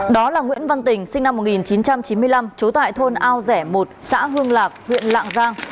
đó là nguyễn văn tình sinh năm một nghìn chín trăm chín mươi năm trú tại thôn ao rẻ một xã hương lạc huyện lạng giang